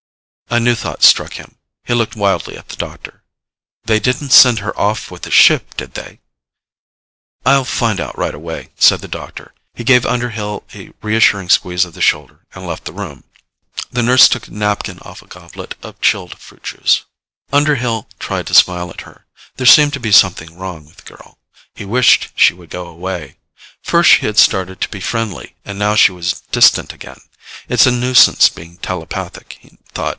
A new thought struck him. He looked wildly at the doctor. "They didn't send her off with the ship, did they?" "I'll find out right away," said the doctor. He gave Underhill a reassuring squeeze of the shoulder and left the room. The nurse took a napkin off a goblet of chilled fruit juice. Underhill tried to smile at her. There seemed to be something wrong with the girl. He wished she would go away. First she had started to be friendly and now she was distant again. It's a nuisance being telepathic, he thought.